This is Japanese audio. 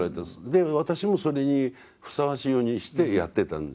で私もそれにふさわしいようにしてやってたんですよ。